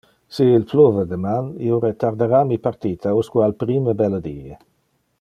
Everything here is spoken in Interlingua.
Si il pluve deman, io retardara mi partita usque al prime belle die.